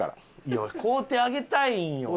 いや買うてあげたいんよ。